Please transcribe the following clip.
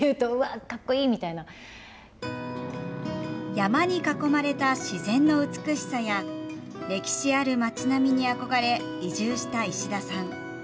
山に囲まれた自然の美しさや歴史ある街並みに憧れ移住した石田さん。